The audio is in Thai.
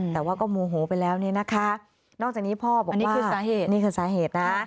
แต่ว่าก็มูหูไปแล้วนี่นะคะนอกจากนี้พ่อบอกว่าอันนี้คือสาเหตุ